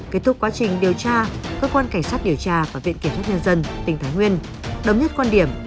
kết thúc quá trình điều tra cơ quan cảnh sát điều tra và viện kiểm sát nhân dân tỉnh thái nguyên đồng nhất quan điểm